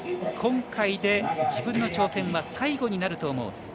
今回で自分の挑戦は最後になると思う。